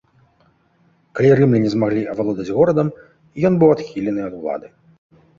Калі рымляне змаглі авалодаць горадам, ён быў адхілены ад улады.